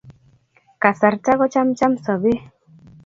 Kasarta kochamcham sobee.